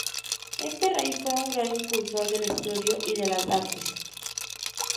Este rey fue un gran impulsor del estudio y de las artes.